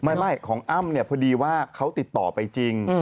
ไม่ของอ้ำเนี่ยพอดีว่าเขาติดต่อไปจริง